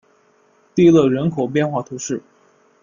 蒂勒人口变化图示